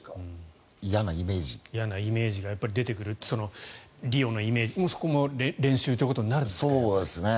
嫌なイメージが出てくるというリオのイメージ、そこも練習ということになるんですか？